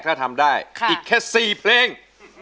ถ้าทำได้อีกแค่๔เพลง